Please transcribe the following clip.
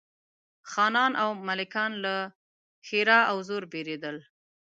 خانان او ملکان له ښرا او زور بېرېدل.